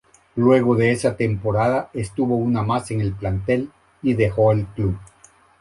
Luego de esa temporada estuvo una más en el plantel y dejó el club.